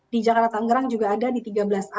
di jakarta tangerang juga ada di tiga belas a